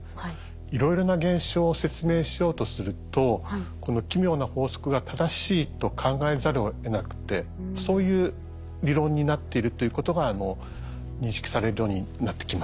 いろいろな現象を説明しようとするとこの奇妙な法則が正しいと考えざるをえなくてそういう理論になっているということが認識されるようになってきました。